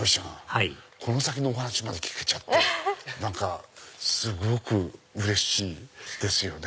はいこの先のお話まで聞けちゃってすごくうれしいですよね。